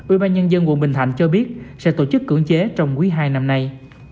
ubnd tp hcm cho biết sẽ tổ chức cưỡng chế trong quý ii năm nay